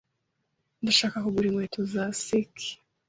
Ndashaka kugura inkweto za ski.